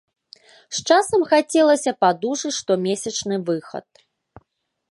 З часам хацелася б адужаць штомесячны выхад.